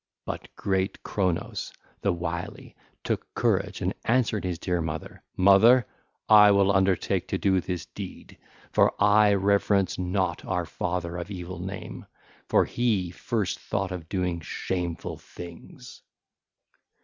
But great Cronos the wily took courage and answered his dear mother: (ll. 170 172) 'Mother, I will undertake to do this deed, for I reverence not our father of evil name, for he first thought of doing shameful things.